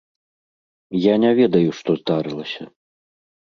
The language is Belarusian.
Я не ведаю, што здарылася.